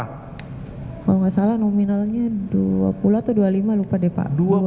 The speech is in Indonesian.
kalau nggak salah nominalnya dua puluh atau dua puluh lima lupa deh pak